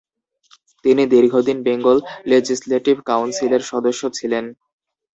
তিনি দীর্ঘদিন বেঙ্গল লেজিসলেটিভ কাউন্সিলের সদস্য ছিলেন।